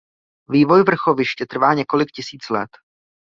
Vývoj vrchoviště trvá několik tisíc let.